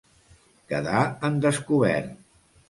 Quedar en descobert.